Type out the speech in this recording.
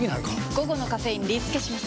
午後のカフェインリスケします！